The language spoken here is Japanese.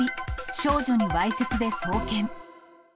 少女にわいせつで送検。